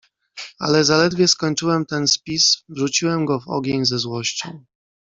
"Ale zaledwie skończyłem ten spis, wrzuciłem go w ogień ze złością."